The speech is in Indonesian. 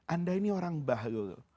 anda ini orang bahlul